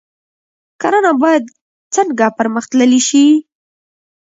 کرنه باید څنګه پرمختللې شي؟